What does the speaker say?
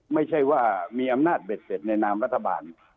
ไม่ใช่ว่ามีอำนาจเบ็ดเสร็จในนามรัฐบาล